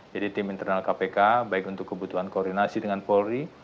jadi tim internal kpk baik untuk kebutuhan koordinasi dengan polri